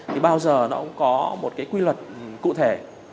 thì bao giờ nó cũng có một cái quy luật cụ thể